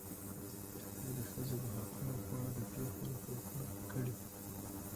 ازادي راډیو د د ښځو حقونه په اړه د پېښو رپوټونه ورکړي.